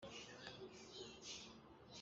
Samhri nak ka duh.